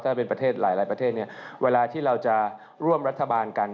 ถ้าเป็นประเทศหลายประเทศเนี่ยเวลาที่เราจะร่วมรัฐบาลกัน